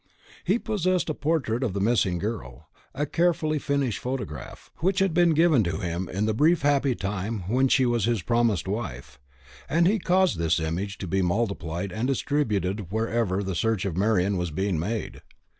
He possessed a portrait of the missing girl a carefully finished photograph, which had been given to him in the brief happy time when she was his promised wife; and he caused this image to be multiplied and distributed wherever the search for Marian was being made.